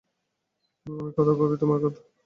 আমি কত ভাবি তোমার কথা।